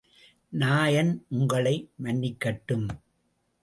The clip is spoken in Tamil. நாயன் உங்களை மன்னிக்கட்டும்.